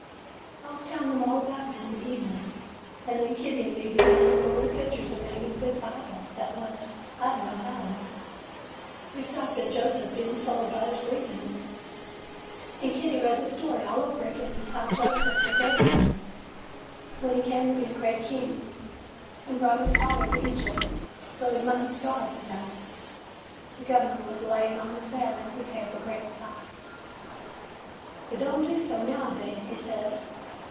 "I was telling them all about it in the even ing, and then Kitty and me began to look over the pictures in Mammy's big Bible, that was — I don't know how old. We stopped at 'Joseph being sold by his brethren,' and Kitty read the story over again, and how Joseph forgave them when he came to be a great king, and brought his father to Egypt so 's he might n't starve to death. "The gov'ner was a layin' on his bed, and he gave a great sigh. " 'They don't do so nowadays,' he said.